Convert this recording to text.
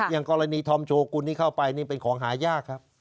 อย่างกรณีธอมโชกุลที่เข้าไปนี่เป็นของหายากครับ